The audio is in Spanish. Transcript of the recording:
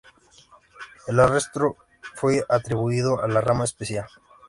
El arresto fue atribuido a la Rama Especial.